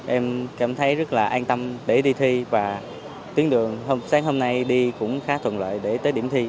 em cảm thấy rất là an tâm để đi thi và tuyến đường sáng hôm nay đi cũng khá thuận lợi để tới điểm thi